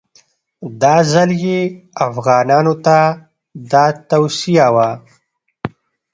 دا ځل یې افغانانو ته دا توصیه وه.